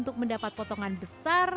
untuk mendapat potongan besar